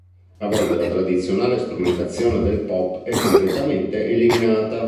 A volte la tradizionale strumentazione del pop è completamente eliminata.